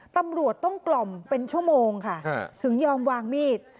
ตำรวจต้องกล่อมเป็นชั่วโมงค่ะถึงยอมวางมีด